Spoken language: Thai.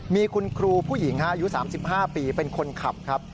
มีคุณครูผู้หญิงอายุ๓๕ปีเป็นคนขับครับ